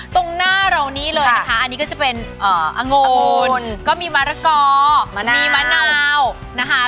ตรงหน้าเรานี่เลยนะคะอันนี้ก็จะเป็นองูก็มีมะละกอมีมะนาวนะคะ